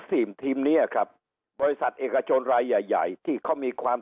ทีมเนี้ยครับบริษัทเอกชนรายใหญ่ใหญ่ที่เขามีความ